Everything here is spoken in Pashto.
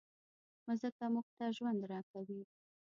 مځکه موږ ته ژوند راکوي.